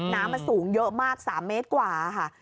น้ำมันสูงเยอะมาก๓เมตรกว่าค่ะ